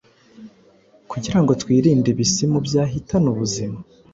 kugira ngo twirinde ibisimu byahitana ubuzima